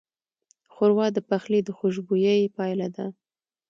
ښوروا د پخلي د خوشبویۍ پایله ده.